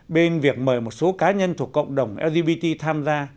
bên việc mời một số cá nhân thuộc cộng đồng lgbt tham gia